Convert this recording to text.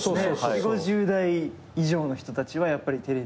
４０５０代以上の人たちはやっぱりテレビ。